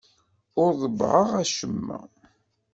Ur ḍebbɛeɣ acemma.